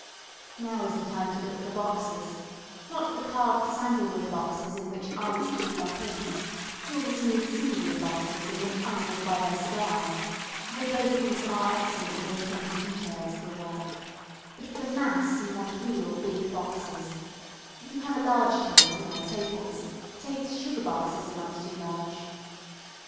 Now is the time to look for boxes not the carved sandal wood boxes in which aunts keep their pins, nor the smooth cedarwood boxes in which uncles buy their cigars, though both these are excellent when you come to the details of your work, but for the mass you want real big boxes; if you have a large table, or tables, Tate's sugar boxes are not too large.